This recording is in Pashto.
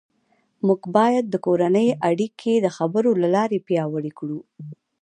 موږ باید د کورنۍ اړیکې د خبرو له لارې پیاوړې کړو